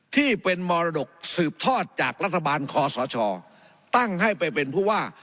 ที่เป็นมรดกสืบทอดจากรัฐบาลคอสชตั้งให้ไปเป็นผู้ว่า